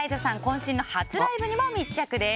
渾身の初ライブにも密着です。